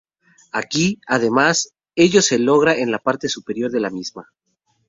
Aquí, además, ello se logra en la parte superior de la misma.